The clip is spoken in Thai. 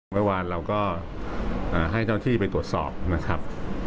เมื่อวานเราก็ให้เจ้าที่ไปตรวจสอบนะครับ